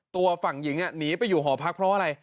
ตัวฝั่งหญิงหนีไปอยู่หอพักเพราะอะไร